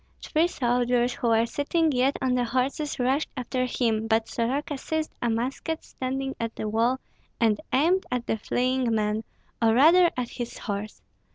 Three soldiers who were sitting yet on the horses rushed after him; but Soroka seized a musket standing at the wall, and aimed at the fleeing man, or rather at his horse.